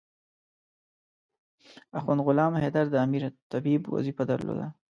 اخند غلام حیدر د امیر طبيب وظیفه درلوده.